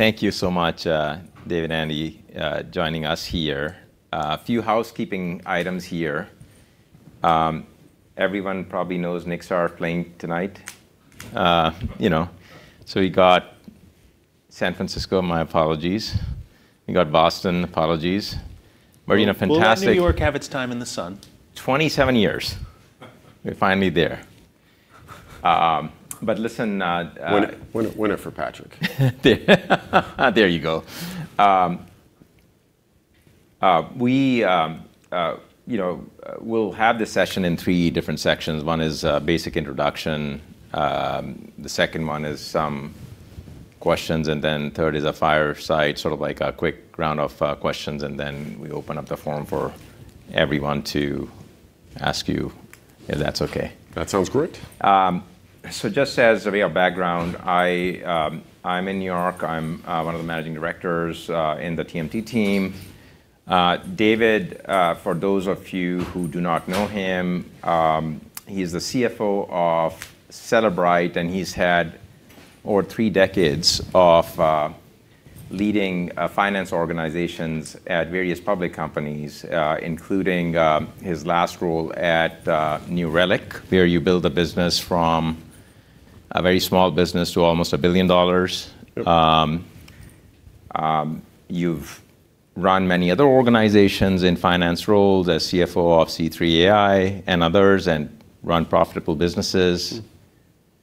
Thank you so much, David and Andy, joining us here. A few housekeeping items here. Everyone probably knows the Knicks are playing tonight. You got San Francisco, my apologies. You got Boston, apologies. We're in a fantastic- Will not New York have its time in the sun? 27 years. We're finally there. Listen- Win it for Patrick. There you go. We'll have this session in three different sections. One is a basic introduction, the second one is some questions, third is a fireside, sort of like a quick round of questions, then we open up the forum for everyone to ask you, if that's okay. That sounds great. Just as a real background, I'm in N.Y. I'm one of the managing directors in the TMT team. David, for those of you who do not know him, he's the CFO of Cellebrite, he's had over three decades of leading finance organizations at various public companies including his last role at New Relic, where you build a business from a very small business to almost $1 billion. Yep. You've run many other organizations in finance roles as CFO of C3 AI and others, run profitable businesses.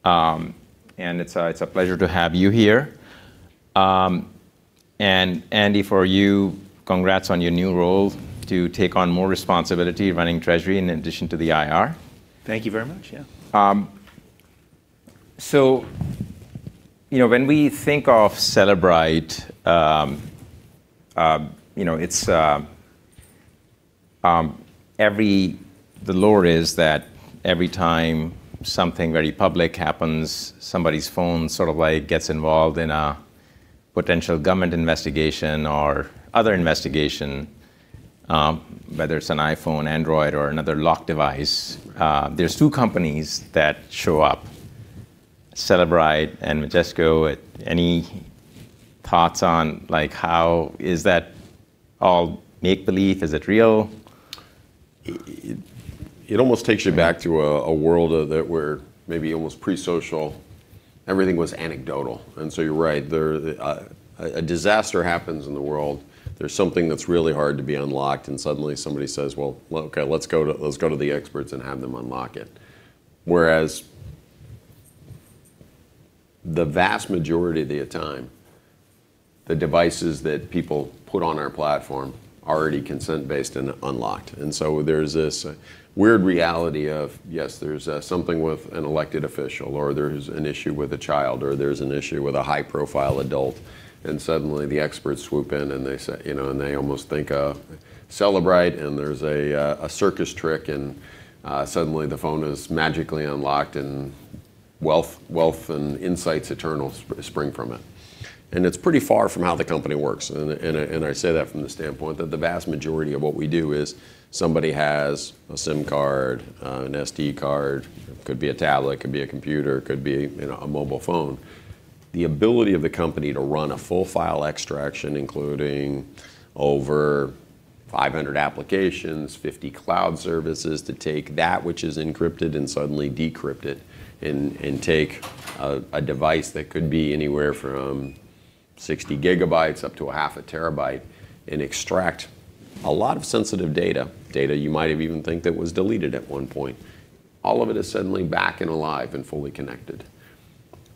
It's a pleasure to have you here. Andy, for you, congrats on your new role to take on more responsibility running treasury in addition to the IR. Thank you very much. Yeah. When we think of Cellebrite, the lore is that every time something very public happens, somebody's phone sort of gets involved in a potential government investigation or other investigation, whether it's an iPhone, Android, or another locked device, there's two companies that show up, Cellebrite and MSAB. Any thoughts on how is that all make-belief? Is it real? It almost takes you back to a world that we're maybe almost pre-social, everything was anecdotal. You're right. A disaster happens in the world, there's something that's really hard to be unlocked, and suddenly somebody says, "Well, okay, let's go to the experts and have them unlock it." Whereas the vast majority of the time, the devices that people put on our platform are already consent-based and unlocked. There's this weird reality of, yes, there's something with an elected official, or there's an issue with a child, or there's an issue with a high-profile adult, and suddenly the experts swoop in and they almost think of Cellebrite, and there's a circus trick, and suddenly the phone is magically unlocked, and wealth and insights eternal spring from it. It's pretty far from how the company works. I say that from the standpoint that the vast majority of what we do is somebody has a SIM card, an SD card, could be a tablet, could be a computer, could be a mobile phone. The ability of the company to run a full file extraction, including over 500 applications, 50 cloud services, to take that which is encrypted and suddenly decrypt it, and take a device that could be anywhere from 60 gigabytes up to a half a terabyte and extract a lot of sensitive data you might have even think that was deleted at one point, all of it is suddenly back and alive and fully connected.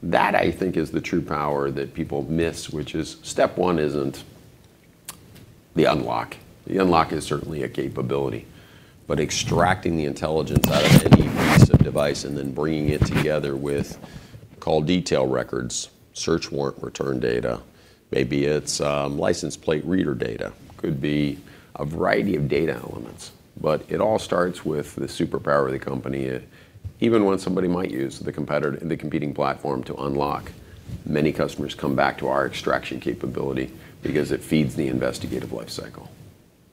That I think is the true power that people miss, which is step one isn't the unlock. The unlock is certainly a capability, extracting the intelligence out of any piece of device and then bringing it together with call detail records, search warrant return data, maybe it's license plate reader data, could be a variety of data elements. It all starts with the superpower of the company. Even when somebody might use the competing platform to unlock, many customers come back to our extraction capability because it feeds the investigative life cycle.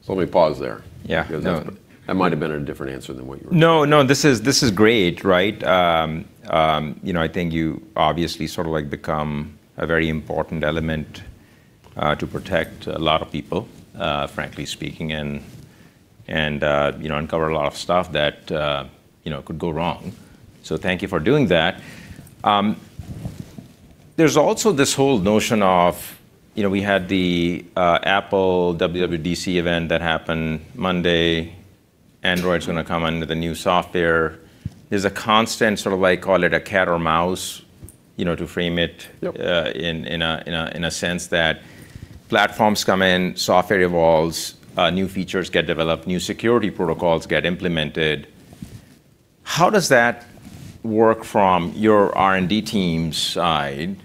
Let me pause there. Yeah. No. That might've been a different answer than what you were- No, this is great. I think you obviously sort of become a very important element to protect a lot of people, frankly speaking, and uncover a lot of stuff that could go wrong. Thank you for doing that. There's also this whole notion of we had the Apple WWDC event that happened Monday. Android's going to come out with a new software. There's a constant sort of call it a cat or mouse, to frame it- Yep in a sense that platforms come in, software evolves, new features get developed, new security protocols get implemented. How does that work from your R&D team's side?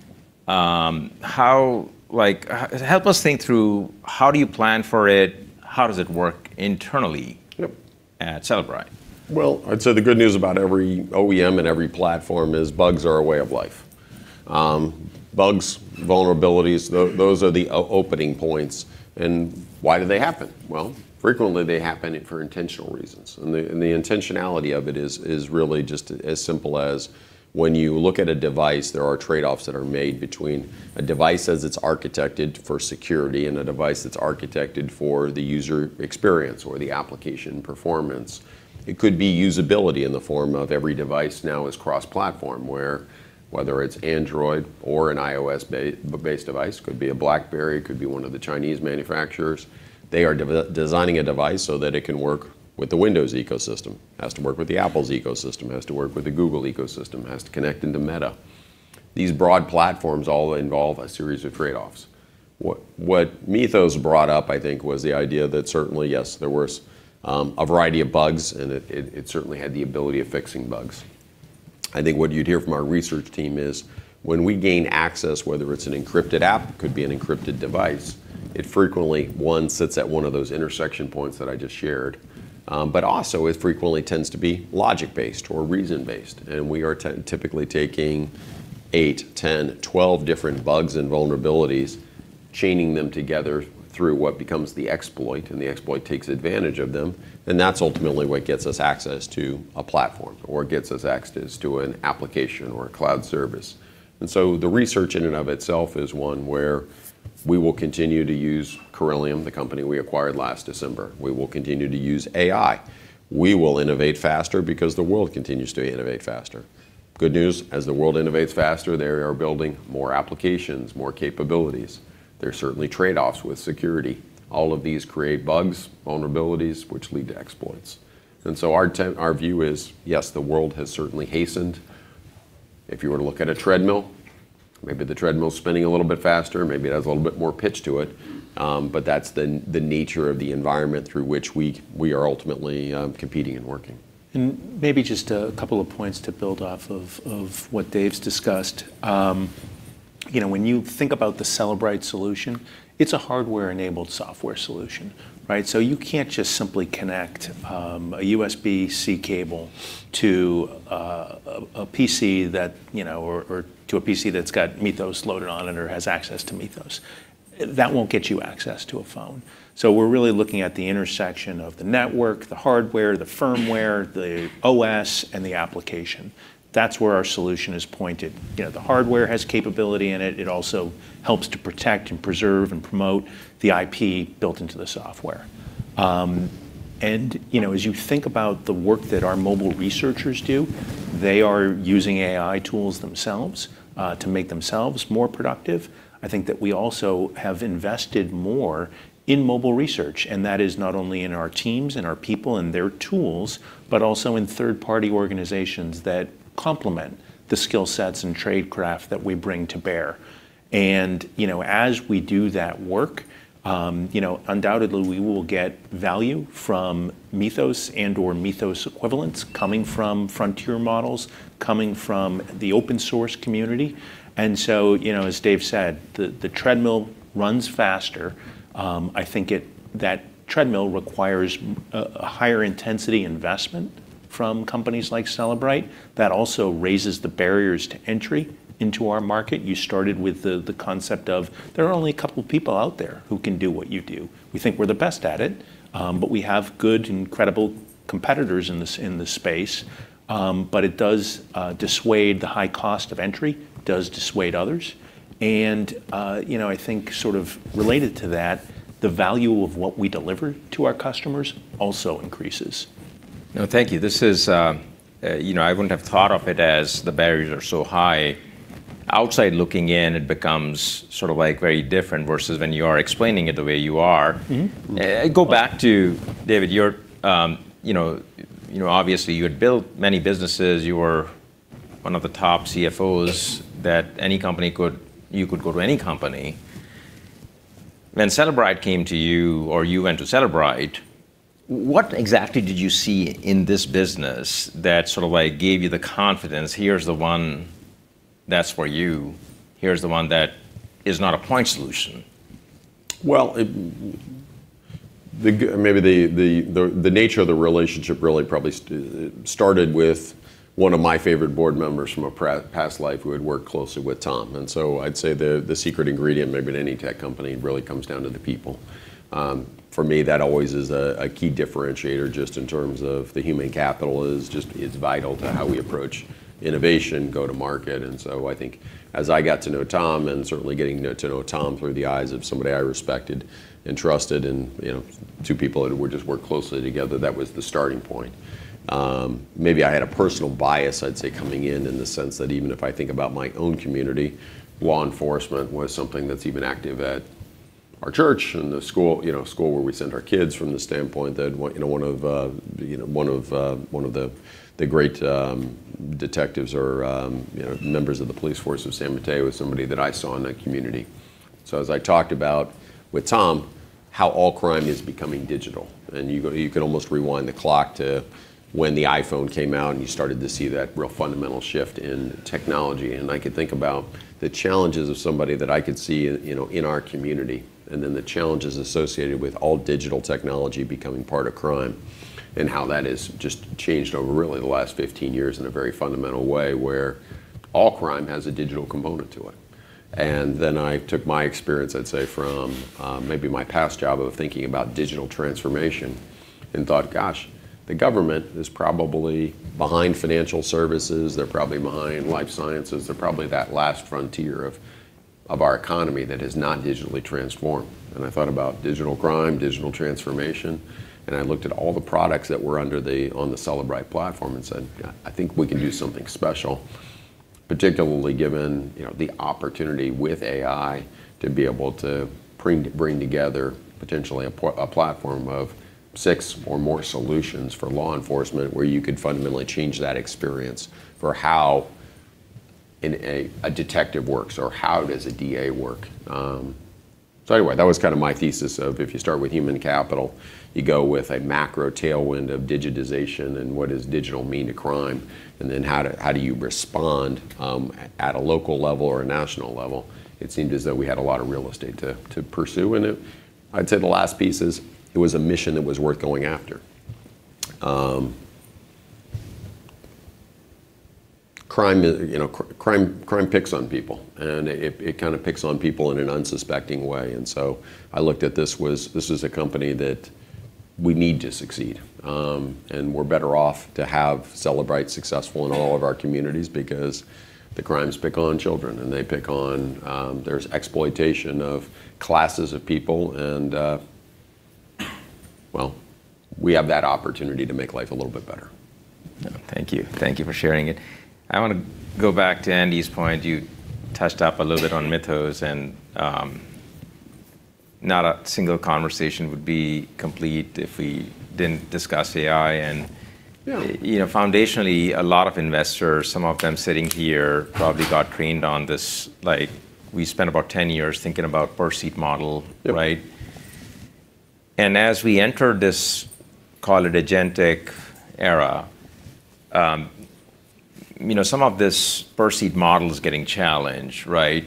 Help us think through how do you plan for it? How does it work internally- Yep at Cellebrite? Well, I'd say the good news about every OEM and every platform is bugs are a way of life. Bugs, vulnerabilities, those are the opening points. Why do they happen? Well, frequently they happen for intentional reasons, and the intentionality of it is really just as simple as when you look at a device, there are trade-offs that are made between a device as it's architected for security and a device that's architected for the user experience or the application performance. It could be usability in the form of every device now is cross-platform, where whether it's Android or an iOS-based device, could be a BlackBerry, could be one of the Chinese manufacturers. They are designing a device so that it can work with the Windows ecosystem, has to work with the Apple's ecosystem, has to work with the Google ecosystem, has to connect into Meta. These broad platforms all involve a series of trade-offs. What Mythos brought up, I think, was the idea that certainly, yes, there was a variety of bugs, and it certainly had the ability of fixing bugs. I think what you'd hear from our research team is when we gain access, whether it's an encrypted app, could be an encrypted device, it frequently, one, sits at one of those intersection points that I just shared. Also it frequently tends to be logic-based or reason-based, and we are typically taking eight, 10, 12 different bugs and vulnerabilities, chaining them together through what becomes the exploit, and the exploit takes advantage of them. That's ultimately what gets us access to a platform or gets us access to an application or a cloud service. The research in and of itself is one where we will continue to use Corellium, the company we acquired last December. We will continue to use AI. We will innovate faster because the world continues to innovate faster. Good news, as the world innovates faster, they are building more applications, more capabilities. There's certainly trade-offs with security. All of these create bugs, vulnerabilities which lead to exploits. Our view is, yes, the world has certainly hastened. If you were to look at a treadmill, maybe the treadmill's spinning a little bit faster, maybe it has a little bit more pitch to it. That's the nature of the environment through which we are ultimately competing and working. Maybe just a couple of points to build off of what Dave's discussed. When you think about the Cellebrite solution, it's a hardware-enabled software solution. You can't just simply connect a USB-C cable to a PC that, or to a PC that's got Mythos loaded on it or has access to Mythos. That won't get you access to a phone. We're really looking at the intersection of the network, the hardware, the firmware, the OS, and the application. That's where our solution is pointed. The hardware has capability in it. It also helps to protect and preserve and promote the IP built into the software. As you think about the work that our mobile researchers do, they are using AI tools themselves, to make themselves more productive. I think that we also have invested more in mobile research, and that is not only in our teams and our people and their tools, but also in third-party organizations that complement the skill sets and trade craft that we bring to bear. As we do that work, undoubtedly, we will get value from Mythos and/or Mythos equivalents coming from frontier models, coming from the open source community. As Dave said, the treadmill runs faster. I think that treadmill requires a higher intensity investment from companies like Cellebrite that also raises the barriers to entry into our market. You started with the concept of there are only a couple people out there who can do what you do. We think we're the best at it, but we have good and credible competitors in this space. It does dissuade the high cost of entry, does dissuade others. I think sort of related to that, the value of what we deliver to our customers also increases. No, thank you. I wouldn't have thought of it as the barriers are so high. Outside looking in, it becomes sort of very different versus when you are explaining it the way you are. Go back to David, obviously you had built many businesses. You were one of the top CFOs. You could go to any company. When Cellebrite came to you or you went to Cellebrite, what exactly did you see in this business that sort of gave you the confidence, here's the one that's for you. Here's the one that is not a point solution? Well, maybe the nature of the relationship really probably started with one of my favorite board members from a past life who had worked closely with Tom. I'd say the secret ingredient maybe in any tech company really comes down to the people. For me, that always is a key differentiator just in terms of the human capital, it's vital to how we approach innovation, go to market. I think as I got to know Tom, and certainly getting to know Tom through the eyes of somebody I respected and trusted and two people who just worked closely together, that was the starting point. Maybe I had a personal bias, I'd say, coming in the sense that even if I think about my own community, law enforcement was something that's even active at our church and the school where we send our kids from the standpoint that one of the great detectives or members of the police force of San Mateo is somebody that I saw in that community. As I talked about with Tom How, all crime is becoming digital. You could almost rewind the clock to when the iPhone came out, and you started to see that real fundamental shift in technology. I could think about the challenges of somebody that I could see in our community, and then the challenges associated with all digital technology becoming part of crime, and how that has just changed over really the last 15 years in a very fundamental way, where all crime has a digital component to it. I took my experience, I'd say from maybe my past job of thinking about digital transformation and thought, gosh, the government is probably behind financial services. They're probably behind life sciences. They're probably that last frontier of our economy that is not digitally transformed. I thought about digital crime, digital transformation, and I looked at all the products that were on the Cellebrite platform and said, "I think we can do something special." Particularly given the opportunity with AI to be able to bring together potentially a platform of six or more solutions for law enforcement where you could fundamentally change that experience for how a detective works or how does a DA work. That was kind of my thesis of if you start with human capital, you go with a macro tailwind of digitization and what does digital mean to crime, and then how do you respond at a local level or a national level? It seemed as though we had a lot of real estate to pursue in it. I'd say the last piece is it was a mission that was worth going after. Crime picks on people, it kind of picks on people in an unsuspecting way. I looked at this as a company that we need to succeed. We're better off to have Cellebrite successful in all of our communities because the crimes pick on children, and there's exploitation of classes of people, and, well, we have that opportunity to make life a little bit better. Yeah. Thank you. Thank you for sharing it. I want to go back to Andy's point. You touched up a little bit on Mythos. Not a single conversation would be complete if we didn't discuss AI. Yeah Foundationally, a lot of investors, some of them sitting here, probably got trained on this. We spent about 10 years thinking about per-seat model, right? Yeah. As we enter this, call it agentic era, some of this per-seat model is getting challenged, right?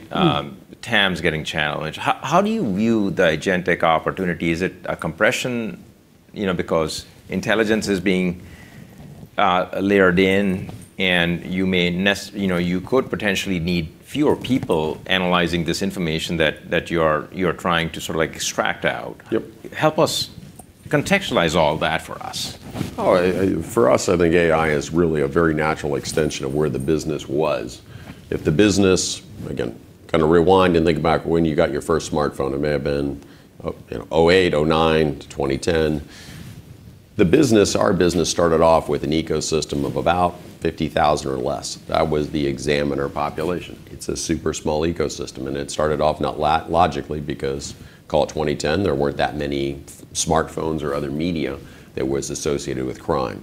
TAM's getting challenged. How do you view the agentic opportunity? Is it a compression because intelligence is being layered in and you could potentially need fewer people analyzing this information that you are trying to sort of extract out? Yep. Help us contextualize all that for us. Oh, for us, I think AI is really a very natural extension of where the business was. If the business, again, kind of rewind and think about when you got your first smartphone, it may have been 2008, 2009 - 2010. Our business started off with an ecosystem of about 50,000 or less. That was the examiner population. It's a super small ecosystem, and it started off not logically because, call it 2010, there weren't that many smartphones or other media that was associated with crime.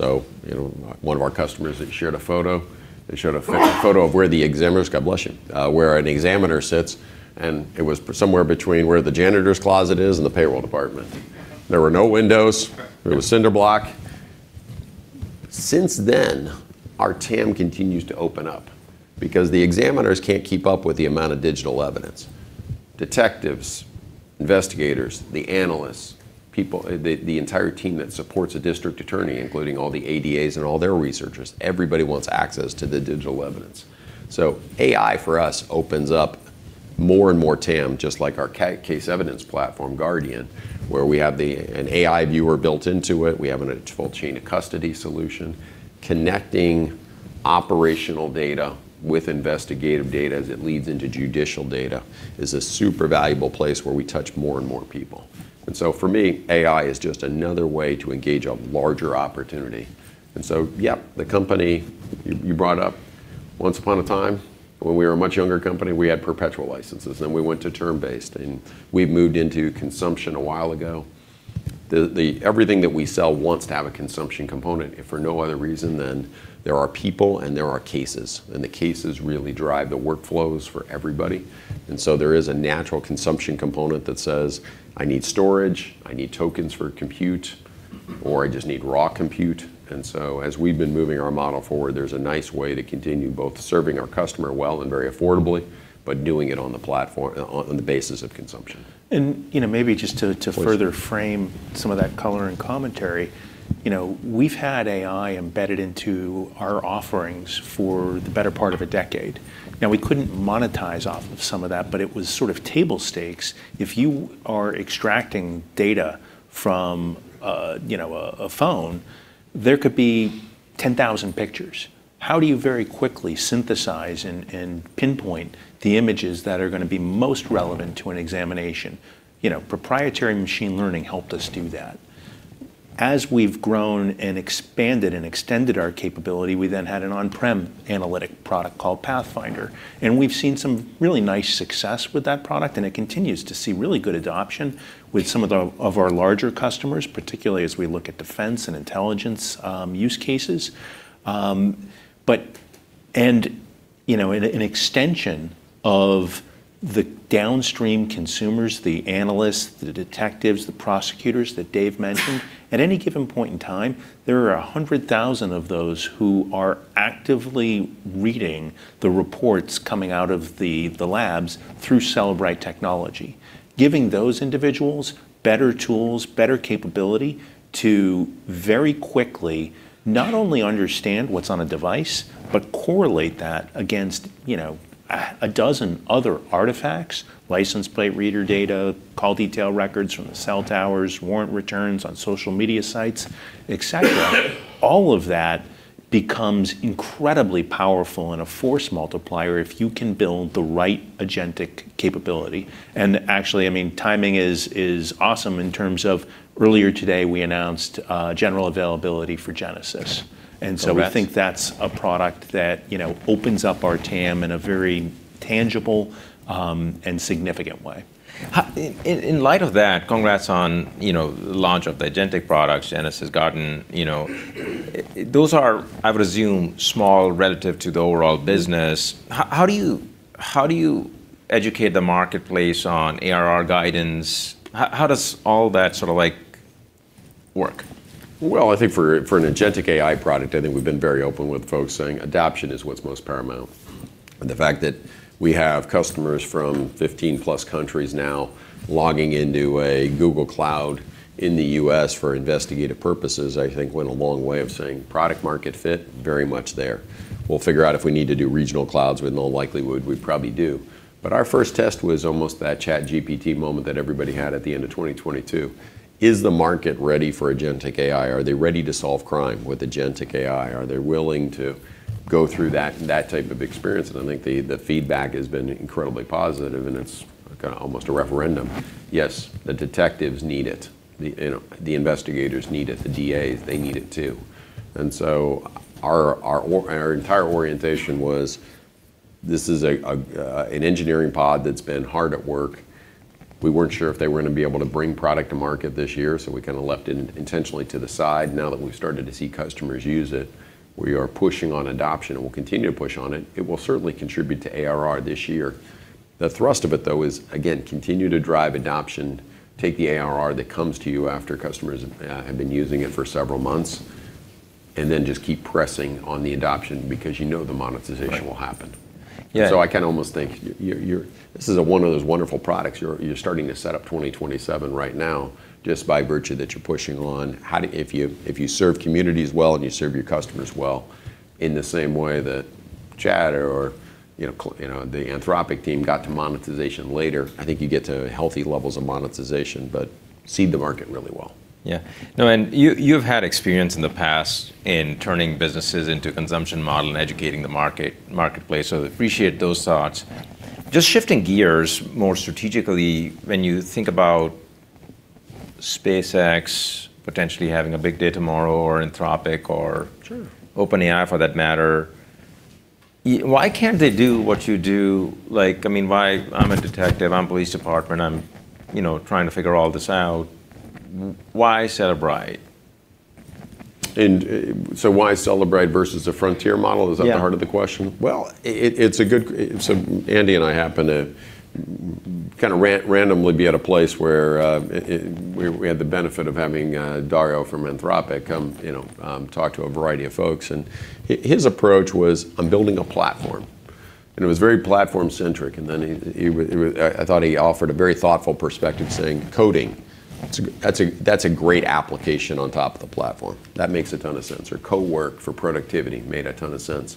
One of our customers had shared a photo. They showed a photo of where the examiners. God bless you. Where an examiner sits, and it was somewhere between where the janitor's closet is and the payroll department. There were no windows. There was cinder block. Since then, our TAM continues to open up because the examiners can't keep up with the amount of digital evidence. Detectives, investigators, the analysts, the entire team that supports a District Attorney, including all the ADAs and all their researchers. Everybody wants access to the digital evidence. AI for us opens up more and more TAM, just like our case evidence platform, Guardian, where we have an AI viewer built into it. We have a full chain of custody solution. Connecting operational data with investigative data as it leads into judicial data is a super valuable place where we touch more and people. For me, AI is just another way to engage a larger opportunity. Yep, the company you brought up, once upon a time when we were a much younger company, we had perpetual licenses, then we went to term-based, and we've moved into consumption a while ago. Everything that we sell wants to have a consumption component, if for no other reason than there are people and there are cases. The cases really drive the workflows for everybody. There is a natural consumption component that says, "I need storage, I need tokens for compute, or I just need raw compute." As we've been moving our model forward, there's a nice way to continue both serving our customer well and very affordably, but doing it on the basis of consumption. Maybe just to further frame some of that color and commentary, we've had AI embedded into our offerings for the better part of a decade. We couldn't monetize off of some of that, but it was sort of table stakes. If you are extracting data from a phone, there could be 10,000 pictures. How do you very quickly synthesize and pinpoint the images that are going to be most relevant to an examination? Proprietary machine learning helped us do that. As we've grown and expanded and extended our capability, we then had an on-prem analytic product called Cellebrite Pathfinder, and we've seen some really nice success with that product, and it continues to see really good adoption with some of our larger customers, particularly as we look at defense and intelligence use cases. An extension of the downstream consumers, the analysts, the detectives, the prosecutors that Dave mentioned. At any given point in time, there are 100,000 of those who are actively reading the reports coming out of the labs through Cellebrite technology. Giving those individuals better tools, better capability to very quickly not only understand what's on a device, but correlate that against a dozen other artifacts, license plate reader data, call detail records from the cell towers, warrant returns on social media sites, et cetera. All of that becomes incredibly powerful and a force multiplier if you can build the right agentic capability. Actually, timing is awesome in terms of earlier today we announced general availability for Cellebrite Genesis. Congrats. We think that's a product that opens up our TAM in a very tangible, and significant way. In light of that, congrats on the launch of the agentic products. Cellebrite Genesis Guardian, those are, I would assume, small relative to the overall business. How do you educate the marketplace on ARR guidance? How does all that sort of work? I think for an agentic AI product, I think we've been very open with folks saying adoption is what's most paramount. The fact that we have customers from 15-plus countries now logging into a Google Cloud in the U.S. for investigative purposes, I think went a long way of saying product market fit, very much there. We'll figure out if we need to do regional clouds. With more likelihood, we probably do. Our first test was almost that ChatGPT moment that everybody had at the end of 2022. Is the market ready for agentic AI? Are they ready to solve crime with agentic AI? Are they willing to go through that type of experience? I think the feedback has been incredibly positive, and it's almost a referendum. Yes, the detectives need it. The investigators need it. The DAs, they need it, too. Our entire orientation was this is an engineering pod that's been hard at work. We weren't sure if they were going to be able to bring product to market this year, so we kind of left it intentionally to the side. Now that we've started to see customers use it, we are pushing on adoption, and we'll continue to push on it. It will certainly contribute to ARR this year. The thrust of it, though, is, again, continue to drive adoption, take the ARR that comes to you after customers have been using it for several months, and then just keep pressing on the adoption because you know the monetization will happen. Yeah. I almost think this is one of those wonderful products. You're starting to set up 2027 right now just by virtue that you're pushing on how if you serve communities well and you serve your customers well, in the same way that Chat or the Anthropic team got to monetization later, I think you get to healthy levels of monetization, but seed the market really well. You've had experience in the past in turning businesses into a consumption model and educating the marketplace, so appreciate those thoughts. Just shifting gears more strategically, when you think about SpaceX potentially having a big day tomorrow or Anthropic. Sure OpenAI for that matter, why can't they do what you do? I'm a detective, I'm police department, I'm trying to figure all this out. Why Cellebrite? Why Cellebrite versus the frontier model? Yeah. Is that the heart of the question? Well, it's a good Andy and I happened to kind of randomly be at a place where we had the benefit of having Dario from Anthropic come talk to a variety of folks, his approach was, "I'm building a platform." It was very platform-centric, then I thought he offered a very thoughtful perspective, saying, "Coding. That's a great application on top of the platform." That makes a ton of sense, or Copilot for productivity made a ton of sense.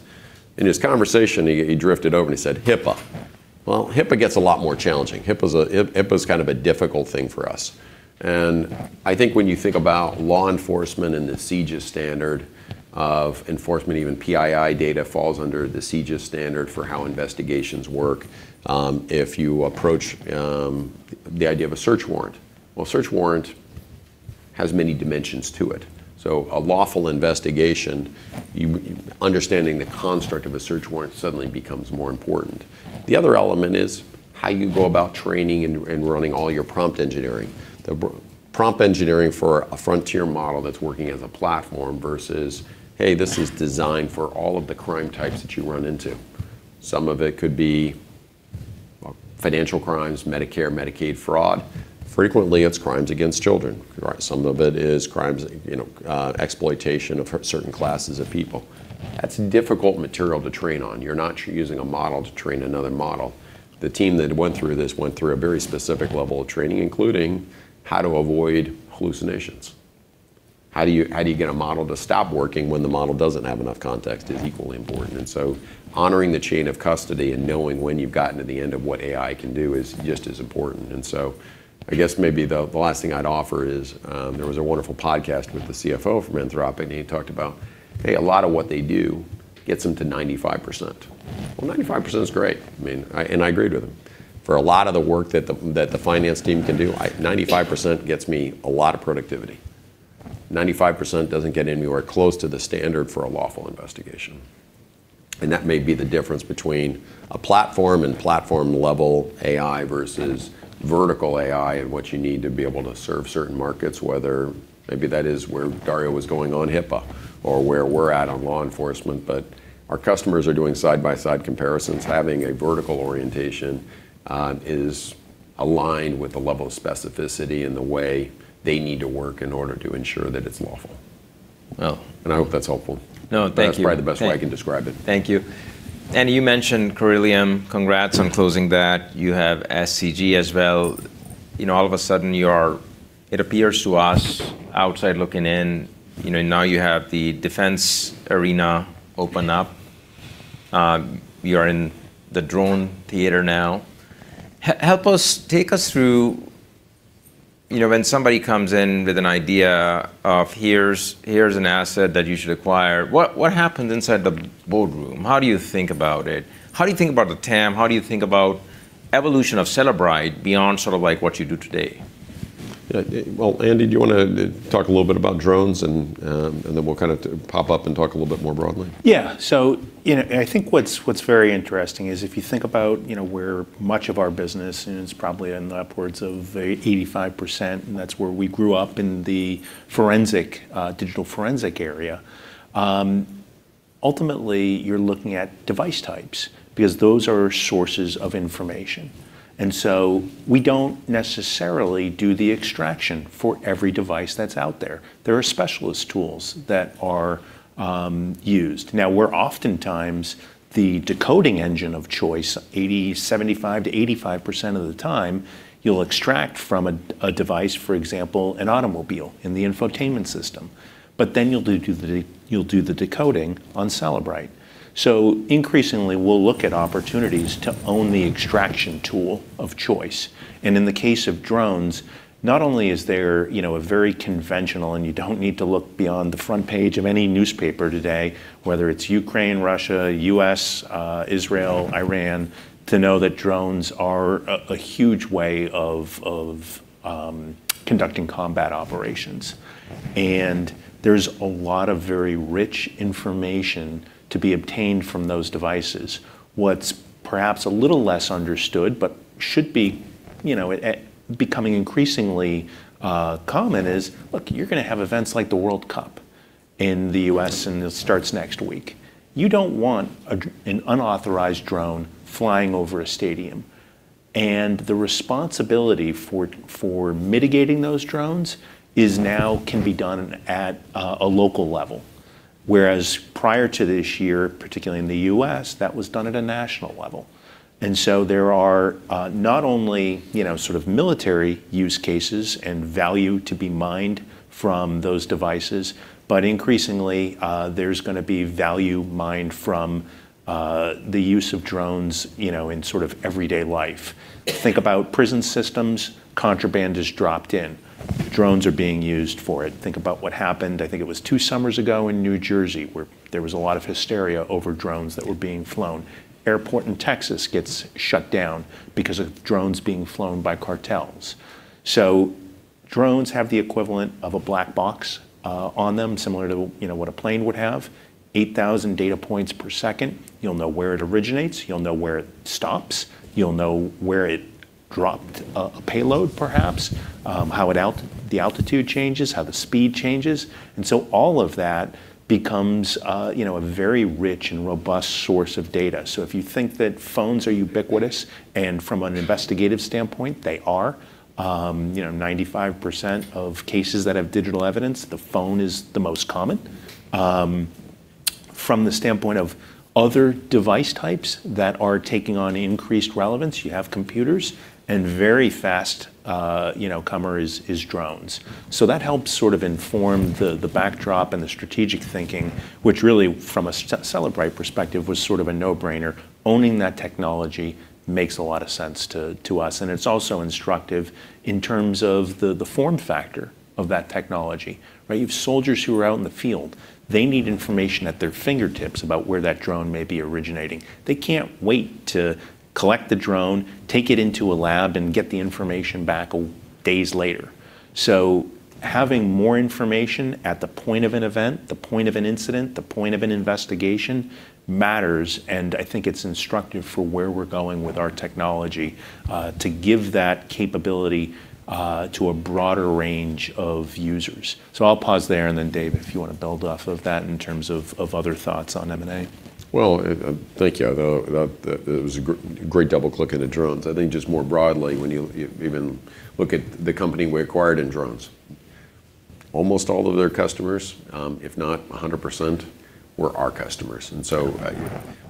In his conversation, he drifted over and he said, "HIPAA." Well, HIPAA gets a lot more challenging. HIPAA's kind of a difficult thing for us. I think when you think about law enforcement and the CJIS standard of enforcement, even PII data falls under the CJIS standard for how investigations work. If you approach the idea of a search warrant, well, a search warrant has many dimensions to it. A lawful investigation, understanding the construct of a search warrant suddenly becomes more important. The other element is how you go about training and running all your prompt engineering. The prompt engineering for a frontier model that's working as a platform versus, hey, this is designed for all of the crime types that you run into. Some of it could be financial crimes, Medicare, Medicaid fraud. Frequently, it's crimes against children. Right. Some of it is crimes, exploitation of certain classes of people. That's difficult material to train on. You're not using a model to train another model. The team that went through this went through a very specific level of training, including how to avoid hallucinations. How do you get a model to stop working when the model doesn't have enough context is equally important. Honoring the chain of custody and knowing when you've gotten to the end of what AI can do is just as important. I guess maybe the last thing I'd offer is, there was a wonderful podcast with the CFO from Anthropic, and he talked about how a lot of what they do gets them to 95%. Well, 95% is great. I agreed with him. For a lot of the work that the finance team can do, 95% gets me a lot of productivity. 95% doesn't get anywhere close to the standard for a lawful investigation. That may be the difference between a platform and platform-level AI versus vertical AI and what you need to be able to serve certain markets, whether maybe that is where Dario was going on HIPAA or where we're at on law enforcement. Our customers are doing side-by-side comparisons. Having a vertical orientation is aligned with the level of specificity and the way they need to work in order to ensure that it's lawful. Well. I hope that's helpful. No, thank you. That's probably the best way I can describe it. Thank you. Andy, you mentioned Corellium. Congrats on closing that. You have SCG as well. All of a sudden, it appears to us outside looking in, now you have the defense arena open up. You are in the drone theater now. Take us through when somebody comes in with an idea of here's an asset that you should acquire. What happens inside the boardroom? How do you think about it? How do you think about the TAM? How do you think about evolution of Cellebrite beyond what you do today? Well, Andy, do you want to talk a little bit about drones, and then we'll kind of pop up and talk a little bit more broadly? Yeah. I think what's very interesting is if you think about where much of our business, and it's probably in the upwards of 85%, and that's where we grew up in the digital forensic area. Ultimately, you're looking at device types because those are sources of information. We don't necessarily do the extraction for every device that's out there. There are specialist tools that are used. Now, we're oftentimes the decoding engine of choice. 75%-85% of the time you'll extract from a device, for example, an automobile in the infotainment system, but then you'll do the decoding on Cellebrite. Increasingly, we'll look at opportunities to own the extraction tool of choice. In the case of drones, not only is there a very conventional, you don't need to look beyond the front page of any newspaper today, whether it's Ukraine, Russia, U.S., Israel, Iran, to know that drones are a huge way of conducting combat operations. There's a lot of very rich information to be obtained from those devices. What's perhaps a little less understood but should be becoming increasingly common is, you're going to have events like the World Cup in the U.S., it starts next week. You don't want an unauthorized drone flying over a stadium. The responsibility for mitigating those drones now can be done at a local level, whereas prior to this year, particularly in the U.S., that was done at a national level. There are not only military use cases and value to be mined from those devices, but increasingly, there's going to be value mined from the use of drones in everyday life. Think about prison systems. Contraband is dropped in. Drones are being used for it. Think about what happened, I think it was two summers ago in New Jersey, where there was a lot of hysteria over drones that were being flown. Airport in Texas gets shut down because of drones being flown by cartels. Drones have the equivalent of a black box on them, similar to what a plane would have. 8,000 data points per second. You'll know where it originates. You'll know where it stops. You'll know where it dropped a payload, perhaps. How the altitude changes, how the speed changes. All of that becomes a very rich and robust source of data. If you think that phones are ubiquitous, and from an investigative standpoint, they are. 95% of cases that have digital evidence, the phone is the most common. From the standpoint of other device types that are taking on increased relevance, you have computers, and a very fast comer is drones. That helps inform the backdrop and the strategic thinking, which really from a Cellebrite perspective, was sort of a no-brainer. Owning that technology makes a lot of sense to us, and it's also instructive in terms of the form factor of that technology. Right? You have soldiers who are out in the field. They need information at their fingertips about where that drone may be originating. They can't wait to collect the drone, take it into a lab, and get the information back days later. Having more information at the point of an event, the point of an incident, the point of an investigation matters, I think it's instructive for where we're going with our technology to give that capability to a broader range of users. I'll pause there, then Dave, if you want to build off of that in terms of other thoughts on M&A. Well, thank you. It was a great double-click into drones. I think just more broadly, when you even look at the company we acquired in drones, almost all of their customers, if not 100%, were our customers.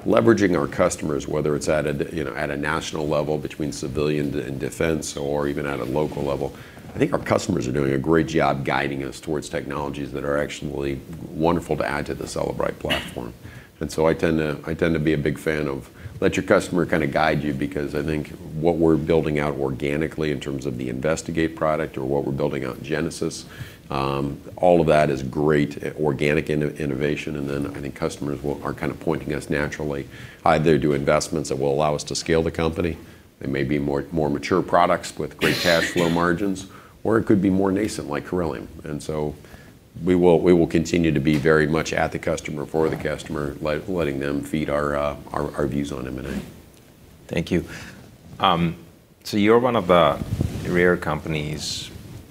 Leveraging our customers, whether it's at a national level between civilian and defense, or even at a local level, I think our customers are doing a great job guiding us towards technologies that are actually wonderful to add to the Cellebrite platform. I tend to be a big fan of let your customer kind of guide you because I think what we're building out organically in terms of the investigate product or what we're building out in Genesis, all of that is great organic innovation. Then I think customers are kind of pointing us naturally, either do investments that will allow us to scale the company. They may be more mature products with great cash flow margins. Or it could be more nascent, like Corellium. We will continue to be very much at the customer, for the customer, letting them feed our views on M&A. Thank you. You're one of the rare companies,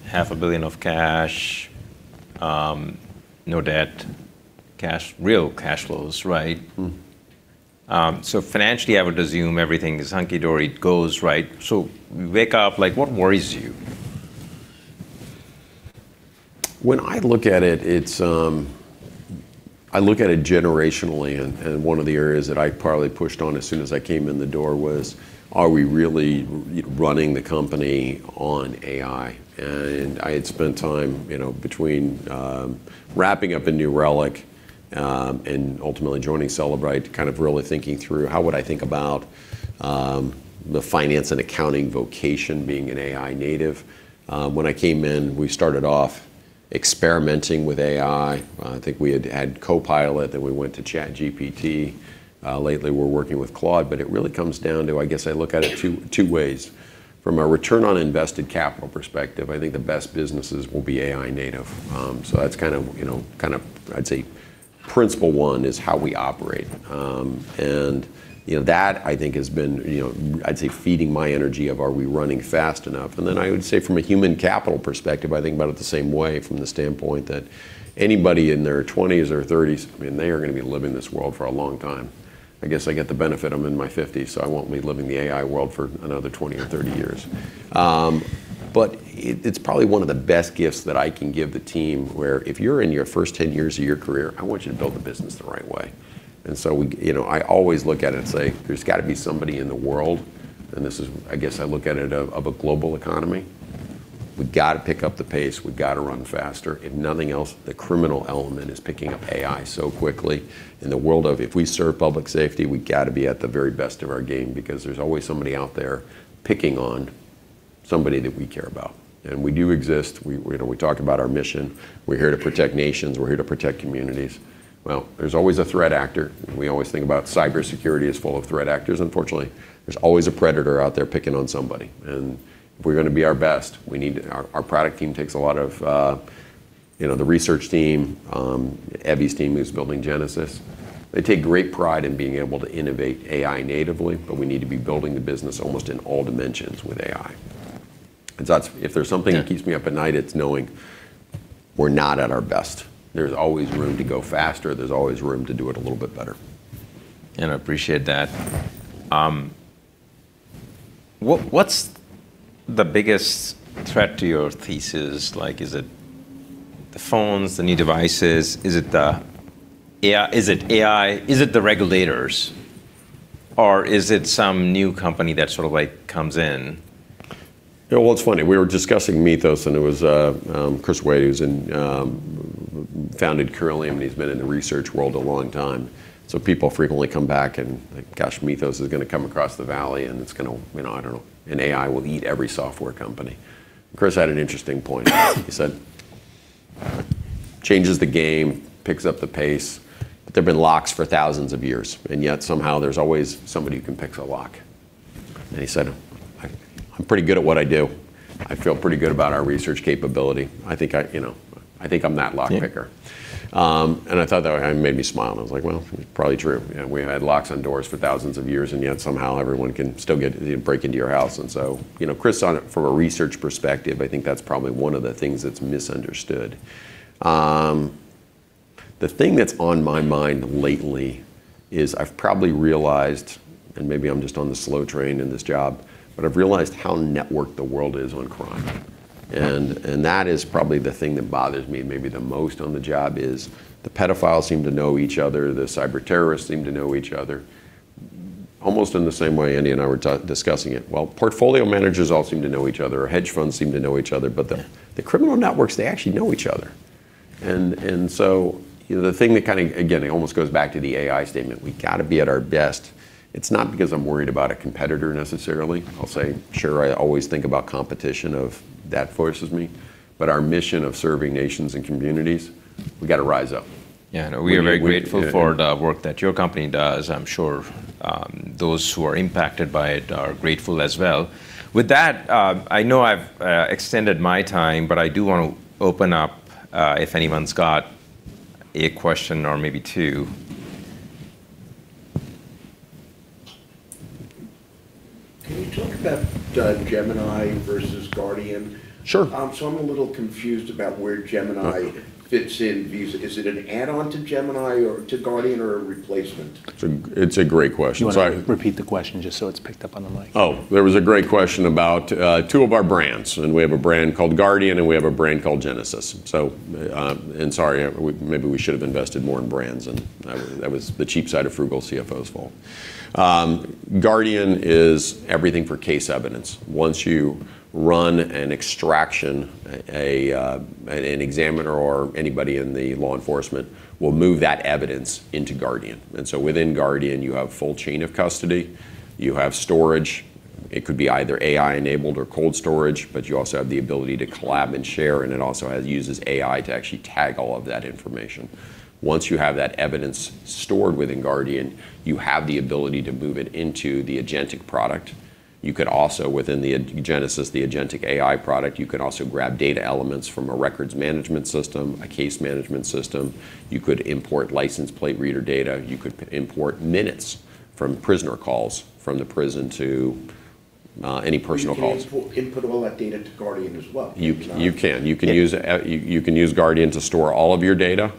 half a billion of cash, no debt, real cash flows, right? Financially, I would assume everything is hunky-dory, it goes right. You wake up, what worries you? One of the areas that I probably pushed on as soon as I came in the door was, are we really running the company on AI? I had spent time, between wrapping up in New Relic and ultimately joining Cellebrite, really thinking through how would I think about the finance and accounting vocation being an AI-native. When I came in, we started off experimenting with AI. I think we had had Copilot, then we went to ChatGPT. Lately, we're working with Claude, but it really comes down to, I guess I look at it two ways. From a return on invested capital perspective, I think the best businesses will be AI-native. That's kind of, I'd say principle one is how we operate. That I think has been, I'd say feeding my energy of are we running fast enough? I would say from a human capital perspective, I think about it the same way from the standpoint that anybody in their 20s or 30s, I mean, they are going to be living in this world for a long time. I guess I get the benefit, I'm in my 50s, so I won't be living in the AI world for another 20 or 30 years. It's probably one of the best gifts that I can give the team, where if you're in your first 10 years of your career, I want you to build the business the right way. I always look at it and say, there's got to be somebody in the world, and this is, I guess I look at it of a global economy. We've got to pick up the pace. We've got to run faster. If nothing else, the criminal element is picking up AI so quickly. In the world of if we serve public safety, we've got to be at the very best of our game because there's always somebody out there picking on somebody that we care about. We do exist. We talk about our mission. We're here to protect nations. We're here to protect communities. There's always a threat actor. We always think about cybersecurity as full of threat actors. Unfortunately, there's always a predator out there picking on somebody, and if we're going to be our best, our product team takes a lot of The research team, Evy's team, who's building Genesis, they take great pride in being able to innovate AI-natively, but we need to be building the business almost in all dimensions with AI. If there's something that keeps me up at night, it's knowing we're not at our best. There's always room to go faster. There's always room to do it a little bit better. I appreciate that. What's the biggest threat to your thesis? Is it the phones, the new devices? Is it AI? Is it the regulators? Is it some new company that sort of comes in? Well, it's funny. We were discussing Mythos. It was Chris Wade, who founded Corellium, he's been in the research world a long time. People frequently come back, gosh, Mythos is going to come across the valley, it's going to, I don't know, AI will eat every software company. Chris had an interesting point. He said, "Changes the game, picks up the pace. There have been locks for thousands of years, yet somehow there's always somebody who can pick a lock." He said, "I'm pretty good at what I do. I feel pretty good about our research capability. I think I'm that lock picker." I thought that made me smile. I was like, "Well, probably true." We've had locks on doors for thousands of years, yet somehow everyone can still break into your house. Chris, from a research perspective, I think that's probably one of the things that's misunderstood. The thing that's on my mind lately is I've probably realized, maybe I'm just on the slow train in this job, I've realized how networked the world is on crime. That is probably the thing that bothers me maybe the most on the job is the pedophiles seem to know each other. The cyber terrorists seem to know each other. Almost in the same way Andy and I were discussing it. Well, portfolio managers all seem to know each other. Hedge funds seem to know each other. The criminal networks, they actually know each other. The thing that kind of, again, it almost goes back to the AI statement. We got to be at our best. It's not because I'm worried about a competitor necessarily. I'll say, sure, I always think about competition, that voices me. Our mission of serving nations and communities, we've got to rise up. No, we are very grateful for the work that your company does. I'm sure those who are impacted by it are grateful as well. With that, I know I've extended my time, but I do want to open up if anyone's got a question or maybe two. Can you talk about Genesis versus Guardian? Sure. I'm a little confused about where Genesis fits in. Is it an add-on to Guardian or a replacement? It's a great question. Sorry. Do you want to repeat the question just so it is picked up on the mic? There was a great question about two of our brands. We have a brand called Guardian. We have a brand called Genesis. Sorry, maybe we should have invested more in brands. That was the cheap side of frugal CFO's fault. Guardian is everything for case evidence. Once you run an extraction, an examiner or anybody in the law enforcement will move that evidence into Guardian. Within Guardian, you have full chain of custody. You have storage. It could be either AI-enabled or cold storage, but you also have the ability to collab and share. It also uses AI to actually tag all of that information. Once you have that evidence stored within Guardian, you have the ability to move it into the agentic product. You could also, within the Genesis, the agentic AI product, grab data elements from a records management system, a case management system. You could import license plate reader data. You could import minutes from prisoner calls from the prison to any personal calls. You can input all that data to Guardian as well. You can use Guardian to store all of your data.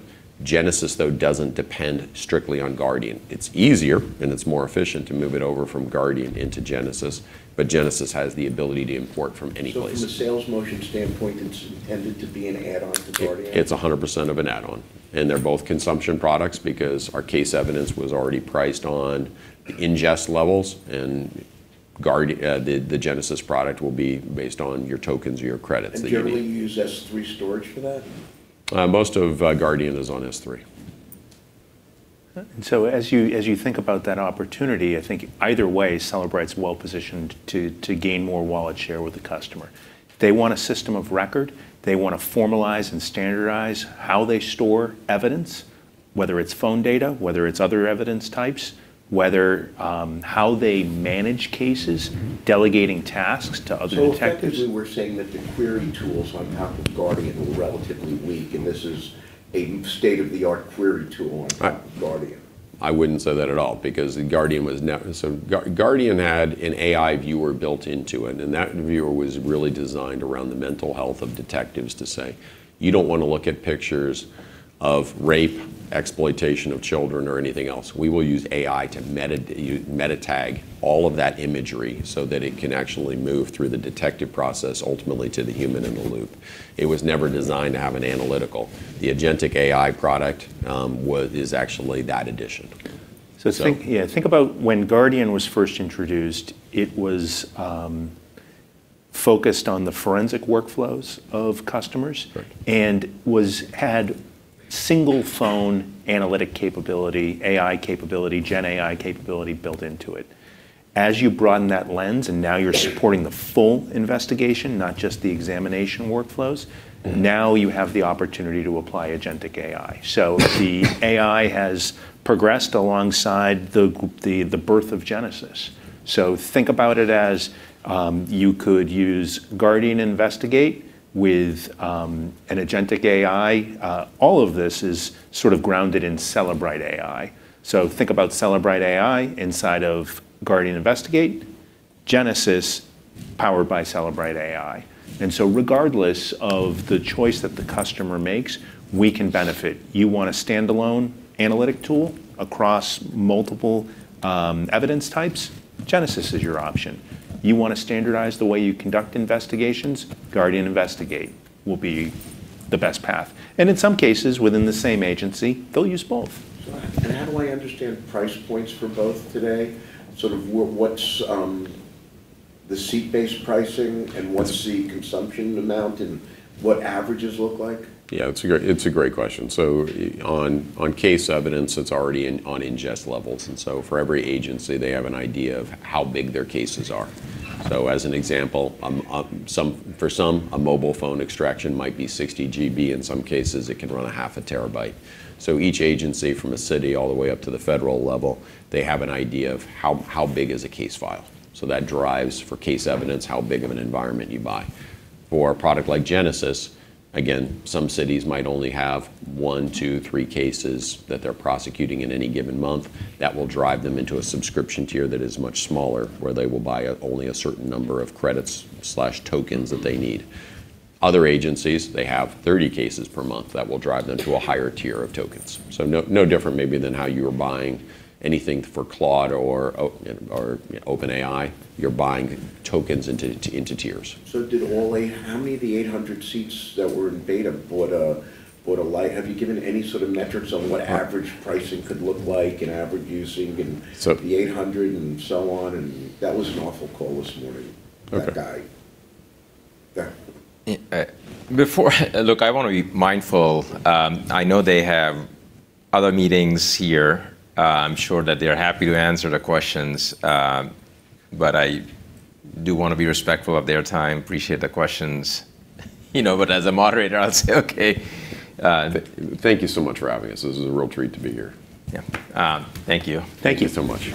Genesis, though, doesn't depend strictly on Guardian. It's easier and it's more efficient to move it over from Guardian into Genesis, but Genesis has the ability to import from anywhere. From a sales motion standpoint, it's intended to be an add-on to Guardian. It's 100% of an add-on. They're both consumption products because our case evidence was already priced on ingest levels, and the Genesis product will be based on your tokens or your credits that you need. Generally, you use S3 storage for that? Most of Guardian is on S3. As you think about that opportunity, I think either way, Cellebrite's well positioned to gain more wallet share with the customer. They want a system of record. They want to formalize and standardize how they store evidence, whether it's phone data, whether it's other evidence types, how they manage cases. Delegating tasks to other detectives. Effectively, we're saying that the query tools on top of Guardian were relatively weak, and this is a state-of-the-art query tool on top of Guardian. I wouldn't say that at all because Guardian was never. Guardian had an AI viewer built into it, and that viewer was really designed around the mental health of detectives to say, "You don't want to look at pictures of rape, exploitation of children, or anything else." We will use AI to meta tag all of that imagery so that it can actually move through the detective process, ultimately to the human in the loop. It was never designed to have an analytical. The agentic AI product is actually that addition. Think about when Guardian was first introduced, it was focused on the forensic workflows of customers. Correct. Had single phone analytic capability, AI capability, Gen AI capability built into it. As you broaden that lens and now you're supporting the full investigation, not just the examination workflows. Now you have the opportunity to apply agentic AI. The AI has progressed alongside the birth of Genesis. Think about it as, you could use Guardian Investigate with an agentic AI. All of this is sort of grounded in Cellebrite AI. Think about Cellebrite AI inside of Guardian Investigate, Genesis powered by Cellebrite AI. Regardless of the choice that the customer makes, we can benefit. You want a standalone analytic tool across multiple evidence types? Genesis is your option. You want to standardize the way you conduct investigations? Guardian Investigate will be the best path. In some cases, within the same agency, they'll use both. How do I understand price points for both today? Sort of, what's the seat-based pricing and what's the consumption amount and what averages look like? Yeah. It's a great question. On case evidence, it's already on ingest levels, and so for every agency, they have an idea of how big their cases are. As an example, for some, a mobile phone extraction might be 60 GB. In some cases, it can run a half a terabyte. Each agency from a city all the way up to the federal level, they have an idea of how big is a case file. That drives, for case evidence, how big of an environment you buy. For a product like Genesis, again, some cities might only have one, two, three cases that they're prosecuting in any given month. That will drive them into a subscription tier that is much smaller, where they will buy only a certain number of credits/tokens that they need. Other agencies, they have 30 cases per month. That will drive them to a higher tier of tokens. No different maybe than how you are buying anything for Claude or OpenAI. You're buying tokens into tiers. Did only how many of the 800 seats that were in beta bought a light? Have you given any sort of metrics on what average pricing could look like and average using? So- The 800 and so on. That was an awful call this morning. Okay. That guy. Yeah. Look, I want to be mindful. I know they have other meetings here. I'm sure that they're happy to answer the questions. I do want to be respectful of their time. Appreciate the questions. As a moderator, I'll say, "Okay. Thank you so much for having us. This is a real treat to be here. Yeah. Thank you. Thank you. Thank you so much.